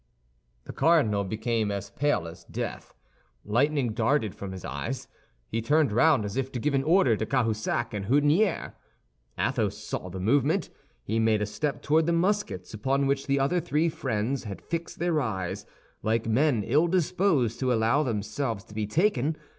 The cardinal became as pale as death; lightning darted from his eyes. He turned round as if to give an order to Cahusac and Houdinière. Athos saw the movement; he made a step toward the muskets, upon which the other three friends had fixed their eyes, like men ill disposed to allow themselves to be taken.